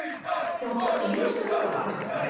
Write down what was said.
でもちょっと許してる部分もあるんですよ